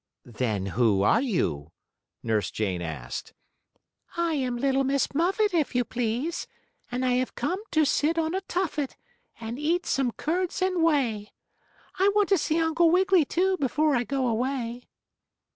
"Then who are you?" Nurse Jane asked. "I am little Miss Muffet, if you please, and I have come to sit on a tuffet, and eat some curds and whey. I want to see Uncle Wiggily, too, before I go away."